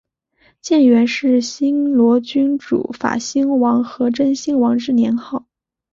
建元是新罗君主法兴王和真兴王之年号。